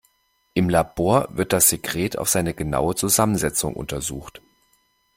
Im Labor wird das Sekret auf seine genaue Zusammensetzung untersucht.